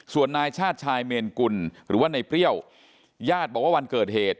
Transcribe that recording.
ส่วนนายชาติชายเมนกุลหรือว่าในเปรี้ยวญาติบอกว่าวันเกิดเหตุ